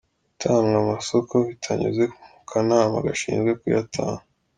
Gutanga amasoko bitanyuze mu kanama gashinzwe kuyatanga;.